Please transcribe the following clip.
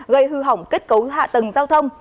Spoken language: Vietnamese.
gây hư hỏng kết cấu hạ tầng giao thông